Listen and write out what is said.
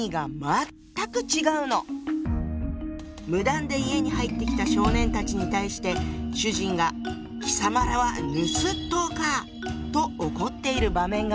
無断で家に入ってきた少年たちに対して主人が「貴様等はぬすっとうか」と怒っている場面があるわ。